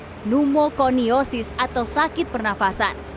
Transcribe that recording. pneumokoniosis atau sakit pernafasan